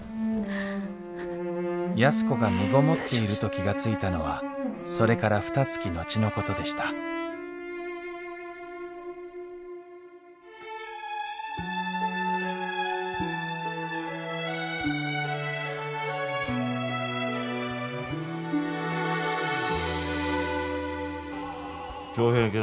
安子がみごもっていると気が付いたのはそれからふたつき後のことでした徴兵検査はいつなら？